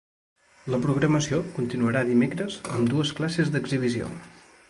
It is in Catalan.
La programació continuarà dimecres amb dues classes d’exhibició.